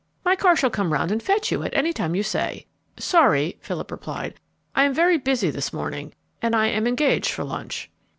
My car shall come round and fetch you at any time you say." "Sorry," Philip replied. "I am very busy this morning, and I am engaged for lunch."